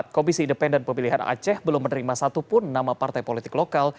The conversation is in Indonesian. komisi independen pemilihan aceh belum menerima satupun nama partai politik lokal